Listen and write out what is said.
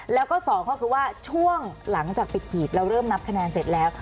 แล้วก็สองก็คือว่าช่วงหลังจากไปขีดแล้วเริ่มนับคะแนนเสร็จแล้ว